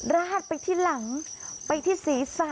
ราดไปที่หลังไปที่ศีรษะ